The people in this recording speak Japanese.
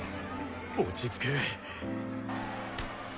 落ち着け。